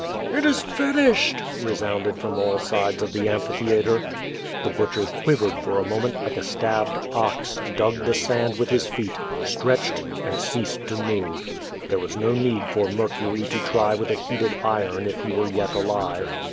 "It is finislied!'' resounded from all sides of the amphi theatre. The Butcher quivered for a moment like a stal)bed ox, dug the sand with his feet, stretched, and ceased to move. There was no nee<l for ]VIercury to try witli a heated iron if he were yet alive.